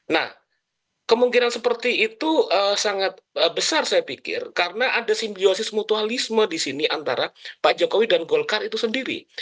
nah kemungkinan seperti itu sangat besar saya pikir karena ada simbiosis mutualisme di sini antara pak jokowi dan golkar itu sendiri